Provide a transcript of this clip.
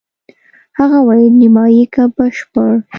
هغه وویل: نیمایي که بشپړ؟